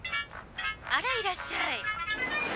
あらいらっしゃい。